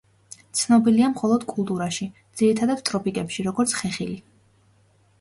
ცნობილია მხოლოდ კულტურაში, ძირითადად ტროპიკებში როგორც ხეხილი.